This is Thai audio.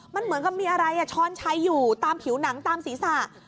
มันเหมือนกับมีอะไรช้อนชัยอยู่ตามผิวหนังตามศีรษะ